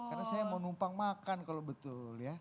karena saya mau numpang makan kalau betul ya